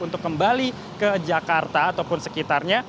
untuk kembali ke jakarta ataupun sekitarnya